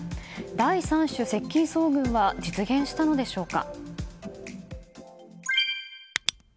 第三種接近遭遇は実現したのでしょうか？